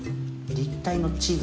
立体の地図。